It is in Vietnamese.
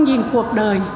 ông nhìn cuộc đời